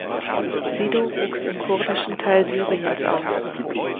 Sido wuchs im kurdischen Teil Syriens auf.